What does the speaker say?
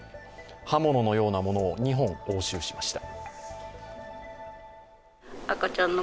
刃物のようなものを２本押収しました。